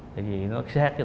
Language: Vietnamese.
tại vì nó xác cho